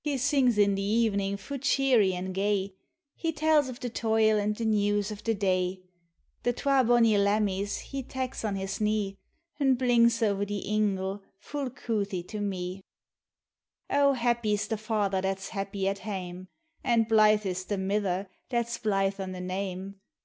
He sings i' tlie e'cning fu' cheery au' gay, lie tells o' the toil and the news o' the day; The twa bonnie laniuiies he tak's on his kuw, An' blinks o'er the ingle fu' couthie to me. O happy \s the father that 's happy at haine, An' blythe is the niither that 's blythe o' the name.